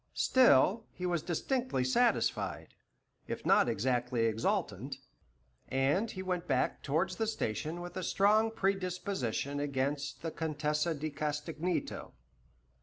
Still, he was distinctly satisfied, if not exactly exultant, and he went back towards the station with a strong predisposition against the Contessa di Castagneto.